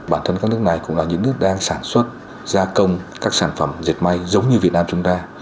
bản thân các nước này cũng là những nước đang sản xuất gia công các sản phẩm dệt may giống như việt nam chúng ta